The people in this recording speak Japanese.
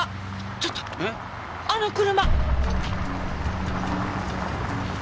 ちょっとあの車！